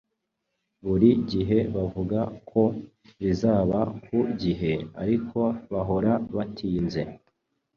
Buri gihe bavuga ko bizaba ku gihe, ariko bahora batinze.